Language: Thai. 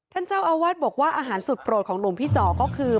ท่านเจ้าอาวาสบอกว่าอาหารสุดโปรดของหลวงพี่จ๋อก็คือ